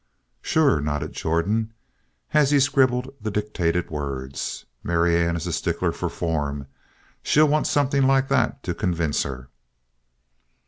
'" "Sure," nodded Jordan, as he scribbled the dictated words. "Marianne is a stickler for form. She'll want something like that to convince her."